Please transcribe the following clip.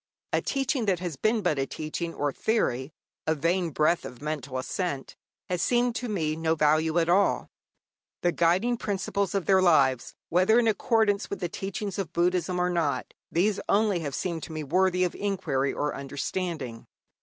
A teaching that has been but a teaching or theory, a vain breath of mental assent, has seemed to me of no value at all. The guiding principles of their lives, whether in accordance with the teaching of Buddhism or not, these only have seemed to me worthy of inquiry or understanding.